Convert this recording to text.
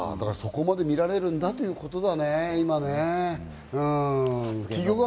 そこまで見られるんだということだね、今ね。